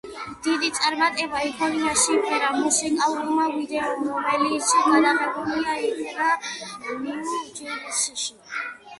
დიდი წარმატება იქონია სიმღერის მუსიკალურმა ვიდეომ, რომელიც გადაღებული იქნა ნიუ-ჯერსიში.